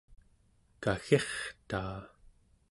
kaggirtaa